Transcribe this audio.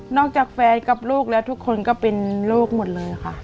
จากแฟนกับลูกแล้วทุกคนก็เป็นลูกหมดเลยค่ะ